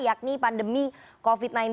yakni pandemi covid sembilan belas